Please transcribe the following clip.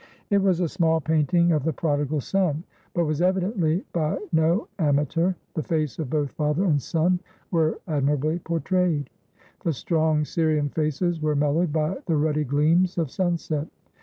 It was a small painting of the Prodigal Son, but was evidently by no amateur, the face of both father and son were admirably portrayed. The strong Syrian faces were mellowed by the ruddy gleams of sunset.